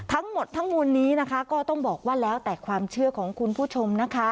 ทั้งหมดทั้งมวลนี้นะคะก็ต้องบอกว่าแล้วแต่ความเชื่อของคุณผู้ชมนะคะ